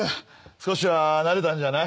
少しは慣れたんじゃない？